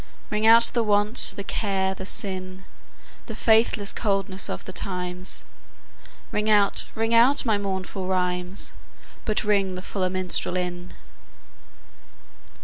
Ring out the want, the care the sin, The faithless coldness of the times; Ring out, ring out my mournful rhymes, But ring the fuller minstrel in.